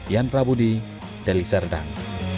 ian prabudi deliserdang